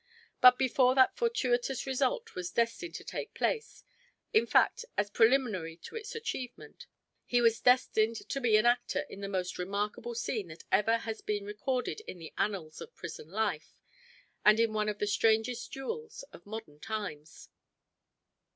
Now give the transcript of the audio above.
But before that fortuitous result was destined to take place in fact, as preliminary to its achievement he was destined to be an actor in the most remarkable scene that ever has been recorded in the annals of prison life, and in one of the strangest duels of modern times.